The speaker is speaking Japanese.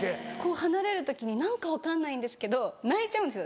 離れる時に分かんないんですけど泣いちゃうんですよ。